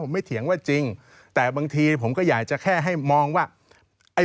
ไม่เถียงว่าจริงแต่บางทีผมก็อยากจะแค่ให้มองว่าไอ้